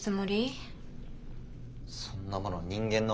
そんなもの人間の